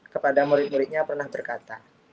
kepada murid muridnya pernah berkata